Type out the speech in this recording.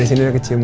dari sini aku cium